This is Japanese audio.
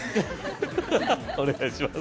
お願いします